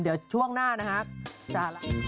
เดี๋ยวช่วงหน้านะฮะ